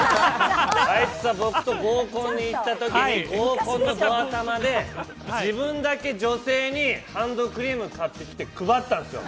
あいつは僕と合コンに行ったときに合コンのド頭で自分だけ女性にハンドクリーム買ってきて配ったんですよ。